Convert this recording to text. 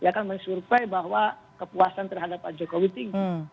dia akan men survai bahwa kepuasan terhadap pak joko witing